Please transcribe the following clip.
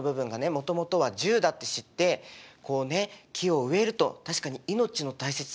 もともとは銃だって知ってこうね木を植えると確かに命の大切さをすごく感じますよね。